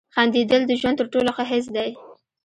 • خندېدل د ژوند تر ټولو ښه حس دی.